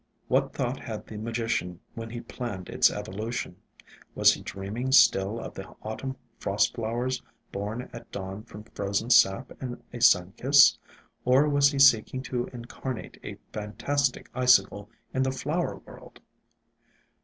What thought had the Magician when he planned its evolution ? Was he dreaming still of the Autumn frost flowers born at dawn from frozen sap and a sun kiss? Or was he seeking to incarnate a fantastic icicle in the flower world